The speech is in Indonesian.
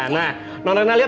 nah nona lihat